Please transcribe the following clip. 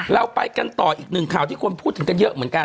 เราไปกันต่ออีกหนึ่งข่าวที่คนพูดถึงกันเยอะเหมือนกัน